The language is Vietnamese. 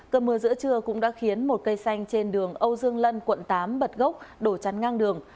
cơ mưa giữa trưa cũng đã khiến một cây xanh trên đường âu dương lân quận tám bật gốc đổ chắn ngang đường